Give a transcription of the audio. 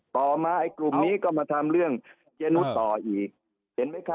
ต่อมาไอ้กลุ่มนี้ก็มาทำเรื่องเจนุสต่ออีกเห็นไหมคะ